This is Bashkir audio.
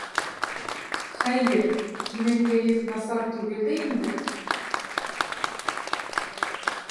Хәйер, һинең кәйеф насар түгел дә инде?